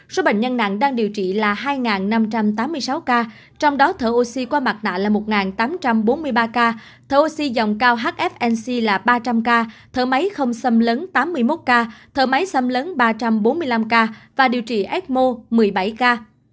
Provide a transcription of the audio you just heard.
số bệnh nhân nặng đang điều trị là hai năm trăm tám mươi sáu ca trong đó thở oxy qua mặt nạ là một tám trăm bốn mươi ba ca thở oxy dòng cao hfnc là ba trăm linh ca thở máy không xâm lấn tám mươi một ca thở máy xâm lấn ba trăm bốn mươi năm ca và điều trị ecmo một mươi bảy ca